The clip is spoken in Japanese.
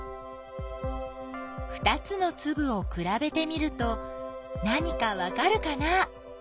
ふたつのつぶをくらべてみると何かわかるかな？